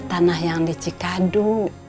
tanah yang di cikadu